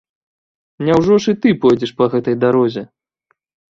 Няўжо ж і ты пойдзеш па гэтай дарозе?